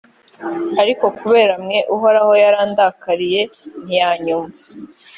ariko kubera mwe, uhoraho yarandakariye, ntiyanyumva.